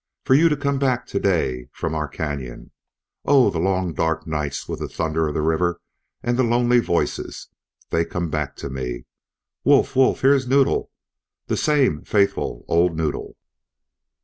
"For you to come back to day from our canyon! ... Oh! The long dark nights with the thunder of the river and the lonely voices!... they come back to me.... Wolf, Wolf, here's Noddle, the same faithful old Noddle!"